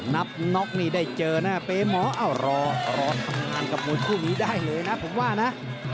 นับน็อกนี่ได้เจอแน่เป๊หมอรอทำงานกับมวยคู่นี้ได้เลยนะผมว่านะ